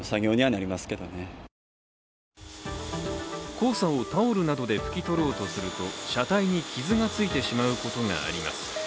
黄砂をタオルなどで拭き取ろうとすると車体に傷がついてしまうことがあります。